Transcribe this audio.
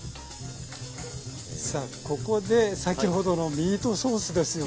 さあここで先ほどのミートソースですよね。